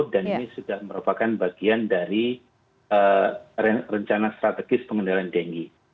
dan ini sudah merupakan bagian dari rencana strategis pengendalian denggi